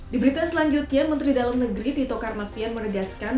di berita selanjutnya menteri dalam negeri tito karnavian menegaskan